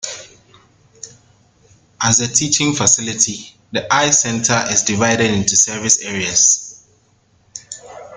As a teaching facility, The Eye Center is divided into service areas.